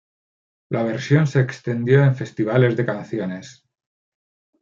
La versión se extendió en festivales de canciones.